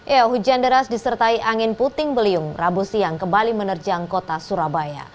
ya hujan deras disertai angin puting beliung rabu siang kembali menerjang kota surabaya